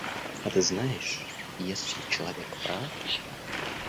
А ты знаешь, если человек прав…